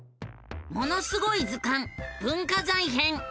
「ものすごい図鑑文化財編」！